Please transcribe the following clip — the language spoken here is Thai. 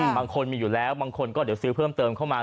บางคนมีอยู่แล้วบางคนก็เดี๋ยวซื้อเพิ่มเติมเข้ามา